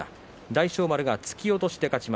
大翔丸、突き落としの勝ち。